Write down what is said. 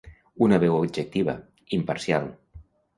Una veu objectiva, imparcial.